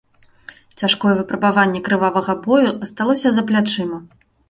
Цяжкое выпрабаванне крывавага бою асталося за плячыма.